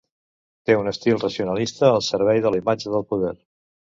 Té un estil racionalista al servei de la imatge del poder.